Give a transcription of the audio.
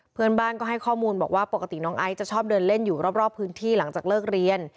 เพื่อนบ้านก็ให้ข้อมูลบอกว่าปกติน้องไอซ์จะชอบเดินเล่นอยู่รอบพื้นที่หลังจากเลิกเรียน